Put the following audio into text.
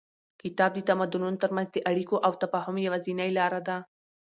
کتاب د تمدنونو تر منځ د اړیکو او تفاهم یوازینۍ لاره ده.